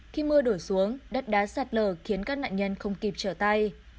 khi mưa đổ xuống đất đá sạt lở khiến các nạn nhân không kịp trở tay